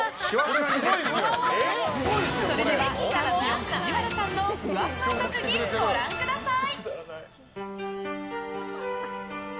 それではチャンピオン梶原さんのふわふわ特技、ご覧ください！